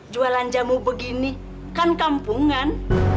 jualan jamu begini kan kampungan